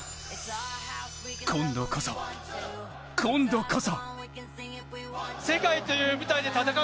今度こそ今度こそ！